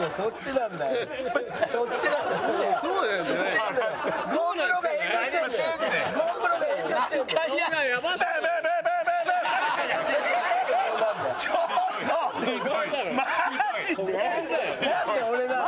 なんで俺なの？